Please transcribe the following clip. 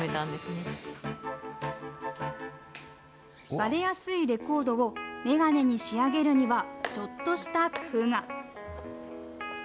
割れやすいレコードを、メガネに仕上げるにはちょっとした工夫が。